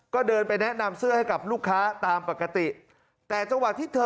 ก็เดินไปแนะนำเสื้อให้กับลูกค้าตามปกติแต่จังหวะที่เธอ